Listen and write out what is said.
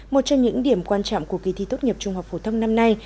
một trong những điểm quan trọng của kỳ thi tốt nghiệp trung học phổ thông năm nay